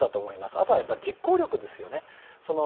あとは実行力ですね。